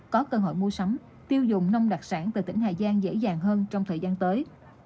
có cơ hội mua sắm tiêu dùng nông đặc sản từ tỉnh hà giang dễ dàng hơn trong thời gian tới